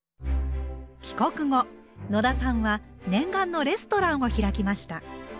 帰国後野田さんは念願のレストランを開きました。